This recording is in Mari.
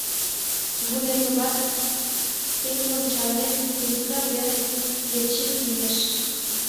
Вуйлепемат пеҥмым чарнен, южгунам веле йычик лиеш.